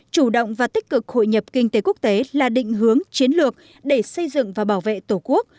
chủ động và tích cực hội nhập kinh tế quốc tế là định hướng chiến lược để xây dựng và bảo vệ tổ quốc